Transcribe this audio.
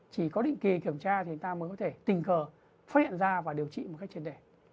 chỉ có định kỳ kiểm tra thì chúng ta mới có thể tình cờ phát hiện ra và điều trị một cách triệt đẻ